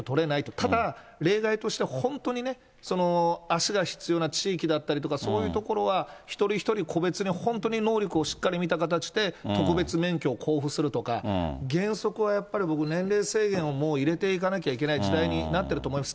ただ、例外として本当にね、足が必要な地域だったりとか、そういう所は、一人一人、個別に本当に能力をしっかり見た形で、特別免許を交付するとか、原則はやっぱり、僕、年齢制限をもう入れていかなきゃいけない時代になってると思います。